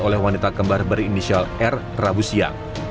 oleh wanita kembar berinisial r rabusia